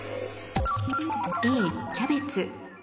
「Ａキャベツ」